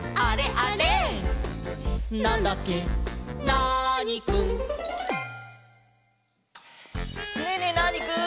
ナーニくん」ねえねえナーニくん。